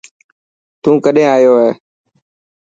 تون ڪڏهن آيو هي.